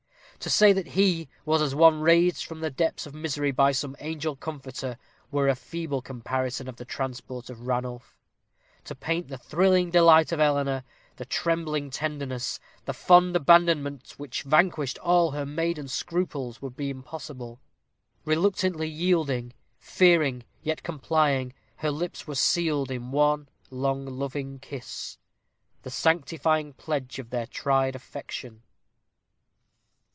To say that he was as one raised from the depths of misery by some angel comforter, were a feeble comparison of the transport of Ranulph. To paint the thrilling delight of Eleanor the trembling tenderness the fond abandonment which vanquished all her maiden scruples, would be impossible. Reluctantly yielding fearing, yet complying, her lips were sealed in one long, loving kiss, the sanctifying pledge of their tried affection.